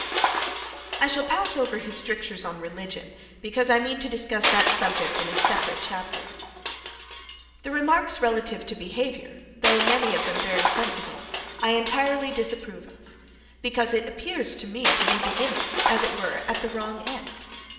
I shall pass over his strictures on religion, because I mean to discuss that subject in a separate chapter. The remarks relative to behaviour, though many of them very sensible, I entirely disapprove of, because it appears to me to be beginning, as it were at the wrong end.